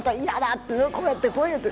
って、こうやってこうやって。